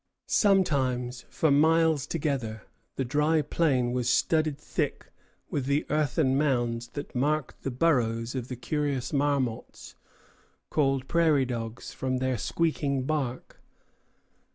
Sometimes, for miles together, the dry plain was studded thick with the earthen mounds that marked the burrows of the curious marmots, called prairie dogs, from their squeaking bark.